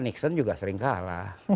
nixon juga sering kalah